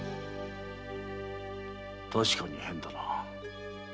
確かに変だな。